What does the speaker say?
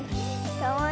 かわいい。